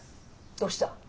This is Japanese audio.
どうした？